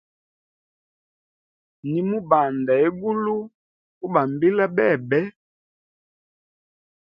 Nimubanda egulu, ubambila bebe.